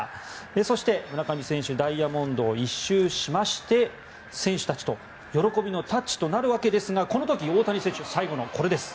そして、村上選手ダイヤモンドを１周しまして選手たちと喜びのタッチとなるわけですがこの時、大谷選手最後のこれです。